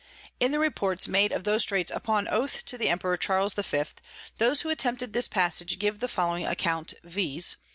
In the Reports made of those Straits upon Oath to the Emperor Charles V. those who attempted this Passage give the following Account, _viz.